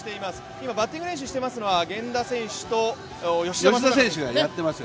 今バッティング練習していますのは源田選手と吉田選手がやっています。